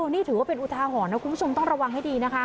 นี่ถือว่าเป็นอุทาหรณ์นะคุณผู้ชมต้องระวังให้ดีนะคะ